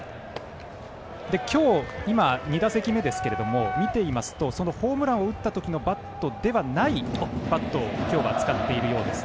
今日２打席目ですけどホームランを打った時のバットではないバットを今日は使っているようです。